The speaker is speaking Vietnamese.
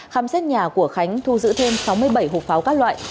khám xét nhà của khánh thu giữ thêm sáu mươi bảy hộp pháo các loại